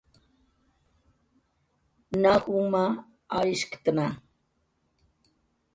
Na juma arishktna